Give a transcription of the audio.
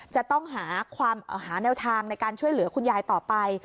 จะต้องหาแนวทางในการช่วยเหลือคุณยายต่อไป